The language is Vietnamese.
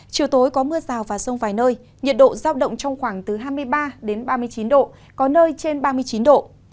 chiều tối có mưa rào và rông vài nơi nhiệt độ giao động trong khoảng từ hai mươi ba đến ba mươi chín độ có nơi trên ba mươi chín độ